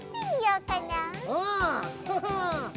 うんフフ！